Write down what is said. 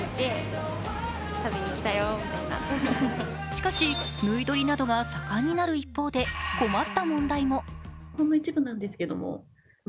しかし、ぬい撮りなどが盛んになる一方で困った問題も。